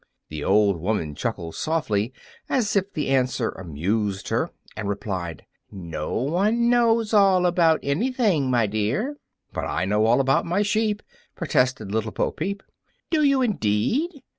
The old woman chuckled softly, as if the answer amused her, and replied, "No one knows all about anything, my dear." "But I know all about my sheep," protested Little Bo Peep. "Do you, indeed?